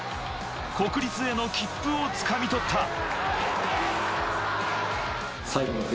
国立への切符をつかみ取った。